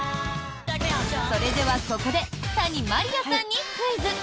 それではここで谷まりあさんにクイズ！